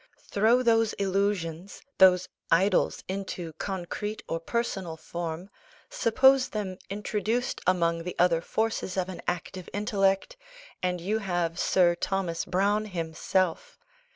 Throw those illusions, those "idols," into concrete or personal form, suppose them introduced among the other forces of an active intellect, and you have Sir Thomas Browne himself.